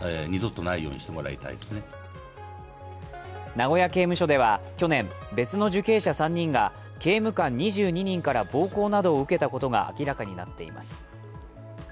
名古屋刑務所では去年、別の受刑者３人が、刑務官２２人から暴行などを受けたことが明らかになっています。